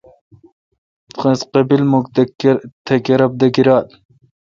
تس قبیمکھ تہ کرب دہ گیرال۔